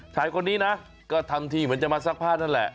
ชายคนนี้นะก็ทำทีเหมือนจะมาซักผ้านั่นแหละ